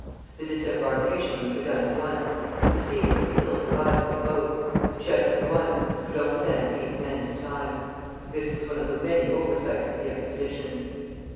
The disembarkation was begun at once. The steamer was ill provided with boats. She had but one, and could only land eight men at a time. This was one of the many oversights of the expedition.